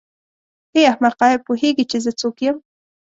ای احمقه آیا پوهېږې چې زه څوک یم.